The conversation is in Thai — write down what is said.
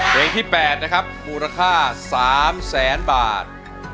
เพลงที่๘นะครับมูลค่า๓แสนบาท